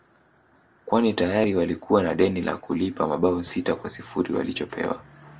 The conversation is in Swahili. kwani tayari walikuwa na deni la kulipa mabao sita kwa sifuri walichopewa